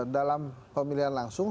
dalam pemilihan langsung